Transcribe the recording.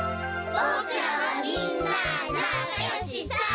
「ボクらはみんななかよしさ」